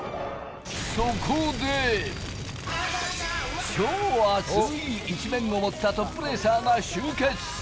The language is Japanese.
そこで、超アツい、一面を持ったトップレーサーが集結！